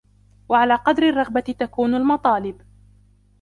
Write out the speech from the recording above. وَعَلَى قَدْرِ الرَّغْبَةِ تَكُونُ الْمَطَالِبُ